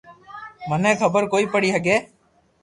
مني خبر ڪوئي پڙي ھگي